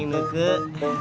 ini ada titik apa mereka